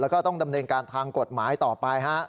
แล้วก็ต้องดำเนินการทางกฎหมายต่อไปฮะ